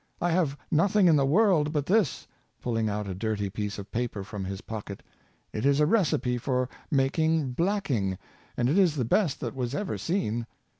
I have nothing in the world but this "— pulling out a dirty piece of paper from his pocket; "it is a recipe for making blacking; it is the best that was ever seen.